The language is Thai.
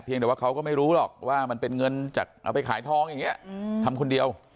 เดี๋ยวว่าเขาก็ไม่รู้หรอกว่ามันเป็นเงินจากเอาไปขายทองอย่างนี้ทำคนเดียว